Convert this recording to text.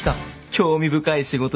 興味深い仕事です。